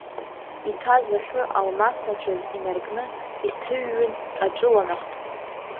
Иҭаз ахьы, алмас мацәаз инаркны илҭыҩҩын аҿыланахт.